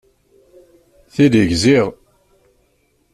Tili gziɣ.